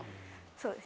そうです。